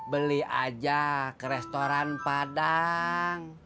beli aja ke restoran padang